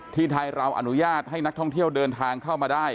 ไทยเราอนุญาตให้นักท่องเที่ยวเดินทางเข้ามาได้